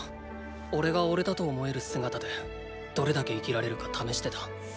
おれが“おれ”だと思える姿でどれだけ生きられるか試してた。